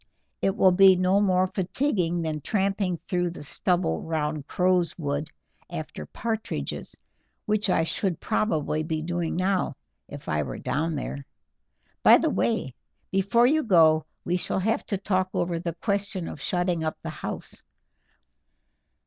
"It will be no more fatiguing than tramping through the stubble round Crowswood after partridges, which I should probably be doing now if I were down there. By the way, before you go we shall have to talk over the question of shutting up the house.